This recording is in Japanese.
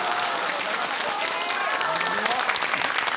すごい。